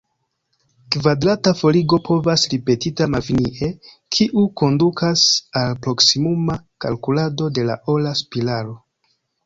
Kvadrata forigo povas ripetita malfinie, kiu kondukas al proksimuma kalkulado de la ora spiralo.